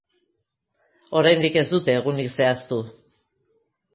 Oraindik ez dute egunik zehaztu.